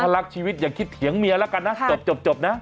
อัธลักษณ์ชีวิตอย่าคิดเถียงเมียละกันนะจบนะ